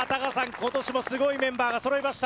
今年もすごいメンバーがそろいました。